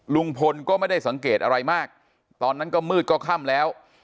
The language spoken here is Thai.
ลุงพลก็ไม่ได้สังเกตอะไรมากตอนนั้นก็มืดก็ค่ำแล้ว